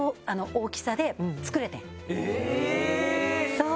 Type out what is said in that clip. そう。